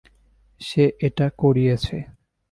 সে এটা করিয়েছে।